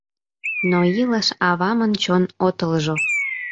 Но илыш авамын чон отылжо